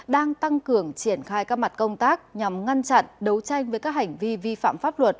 đang tăng cường triển khai các mặt công tác nhằm ngăn chặn đấu tranh với các hành vi vi phạm pháp luật